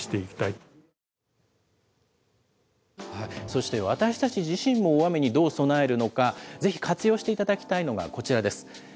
そして、私たち自身も大雨にどう備えるのか、ぜひ活用していただきたいのがこちらです。